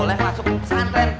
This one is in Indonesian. enggak boleh masuk pesantren